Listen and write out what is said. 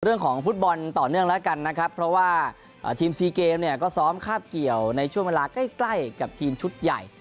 เรื่องของฟุตบอลต่อเนื่องแล้วกันนะครับเพราะว่าทีมซีเกมเนี่ยก็ซ้อมคาบเกี่ยวในช่วงเวลาใกล้ใกล้กับทีมชุดใหญ่